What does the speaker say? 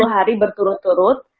tiga puluh hari berturut turut